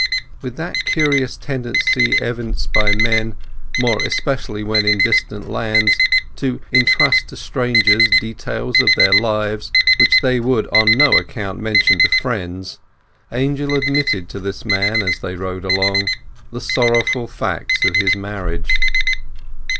With that curious tendency evinced by men, more especially when in distant lands, to entrust to strangers details of their lives which they would on no account mention to friends, Angel admitted to this man as they rode along the sorrowful facts of his marriage.